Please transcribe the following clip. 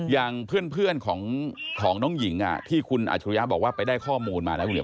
อย่างเพื่อนของน้องหญิงที่คุณอาชุยะบอกว่าไปได้ข้อมูลมาแล้ว